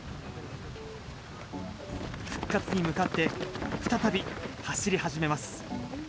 復活に向かって、再び走り始めます。